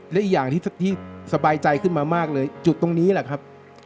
และอีกอย่างที่สบายใจขึ้นมามากเลยจุดตรงนี้แหละครับ